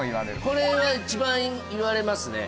これは一番言われますね。